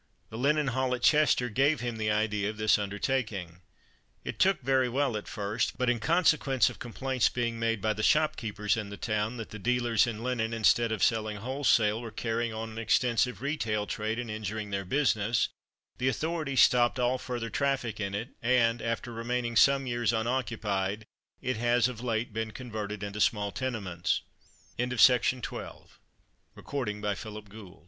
The Linen Hall at Chester gave him the idea of this undertaking. It took very well at first, but in consequence of complaints being made by the shopkeepers in the town that the dealers in linen, instead of selling wholesale were carrying on an extensive retail trade and injuring their business, the authorities stopped all further traffic in it, and, after remaining some years unoccupied, it has of late been converted into small tenements. CHAPTER XII. Thirty years ago Great Charlotte st